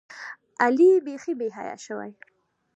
علي بیخي بېحیا شوی.